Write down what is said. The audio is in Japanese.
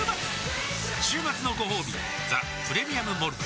週末のごほうび「ザ・プレミアム・モルツ」